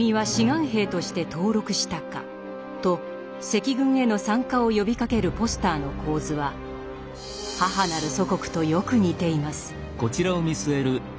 と赤軍への参加を呼びかけるポスターの構図は「母なる祖国」とよく似ています。